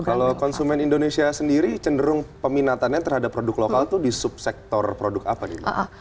kalau konsumen indonesia sendiri cenderung peminatannya terhadap produk lokal itu di subsektor produk apa nih